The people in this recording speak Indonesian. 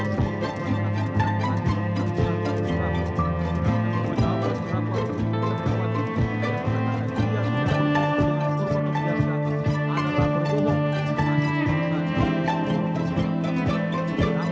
kita tidak dapat membuatnya